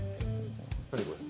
何これ？